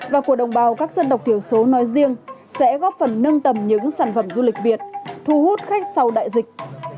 và của đồng bào các dân tộc thiểu số nói riêng sẽ góp phần nâng tầm những sản phẩm du lịch việt thu hút khách sau đại dịch